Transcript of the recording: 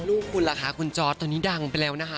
ลูกคุณล่ะคะคุณจอร์ดตอนนี้ดังไปแล้วนะคะ